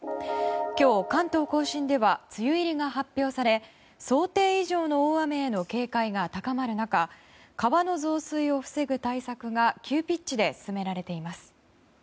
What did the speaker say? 今日、関東・甲信では梅雨入りが発表され想定以上の大雨への警戒が高まる中川の増水を防ぐ対策が急ピッチで進められています。